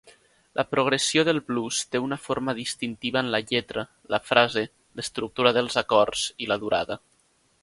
La progressió del blues té una forma distintiva en la lletra, la frase, l'estructura dels acords i la durada.